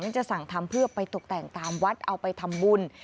จะสั่งทำเพื่อไปตกแต่งตามวัดเอาไปทำบุญ